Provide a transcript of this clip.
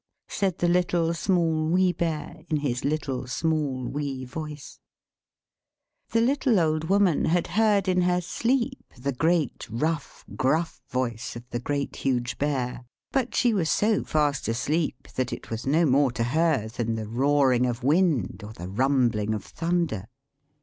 =" cried the Little, Small, Wee Bear, in his little, small, wee voice. The little Old Woman had heard in her sleep the great, rough, gruff voice of the Great, Huge Bear, but she was so fast asleep that it seemed to her no more than the roaring of the wind, or the rumbling of thunder.